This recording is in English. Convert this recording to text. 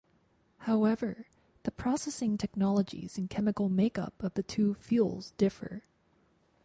However the processing technologies and chemical makeup of the two fuels differ.